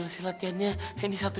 masa kok gini ga tadi dicampur